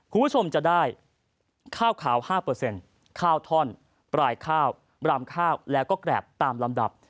คุณผู้ชมจะได้ข้าวขาว๕ข้าวท่อนปลายข้าวรำข้าวแล้วก็แกรบตามลำดับ